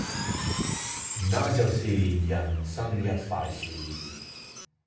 那就是人生一快事